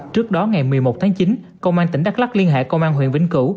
trước đó ngày một mươi một tháng chín công an tỉnh đắk lắc liên hệ công an huyền bình cụ